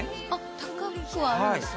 高くはあるんですね。